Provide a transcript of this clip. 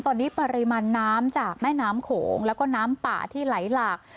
ตอนนี้ปริมาณน้ำจากแม่น้ำโขงแล้วก็น้ำป่าที่ไหลหลาก